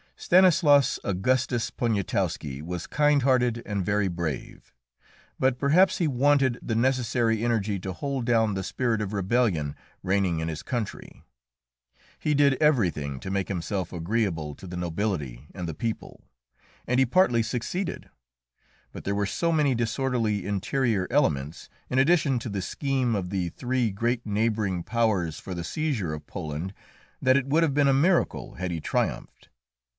Stanislaus Augustus Poniatowski was kind hearted and very brave, but perhaps he wanted the necessary energy to hold down the spirit of rebellion reigning in his country. He did everything to make himself agreeable to the nobility and the people, and he partly succeeded. But there were so many disorderly interior elements, in addition to the scheme of the three great neighbouring powers for the seizure of Poland, that it would have been a miracle had he triumphed.